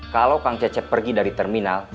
kalau kang cecep pergi dari terminal